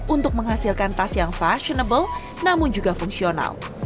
untuk menghasilkan tas yang fashionable namun juga fungsional